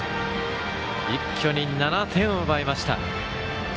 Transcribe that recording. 一挙に７点を奪いました。